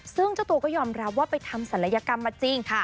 ซึ่งเจ้าตัวก็ยอมรับว่าไปทำศัลยกรรมมาจริง